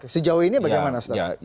sejauh ini bagaimana